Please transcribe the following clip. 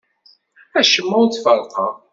Acemma ur t-ferrqeɣ.